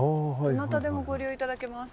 どなたでもご利用頂けます。